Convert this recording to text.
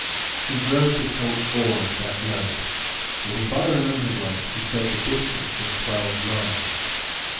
He drove to St. Oars that night, and, if I remember right, he said the distance was twelve miles.